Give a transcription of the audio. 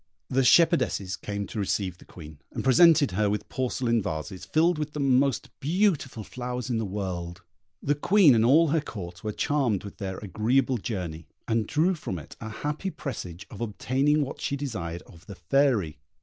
The shepherdesses came to receive the Queen, and presented her with porcelain vases, filled with the most beautiful flowers in the world. The Queen and all her Court were charmed with their agreeable journey, and drew from it a happy presage of obtaining what she desired of the Fairy.